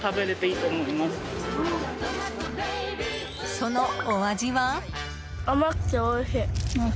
そのお味は？